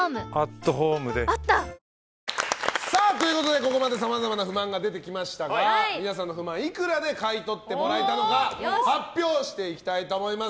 ここまでさまざまな不満が出てきましたが皆さんの不満いくらで買い取ってもらえたのか発表していきたいと思います。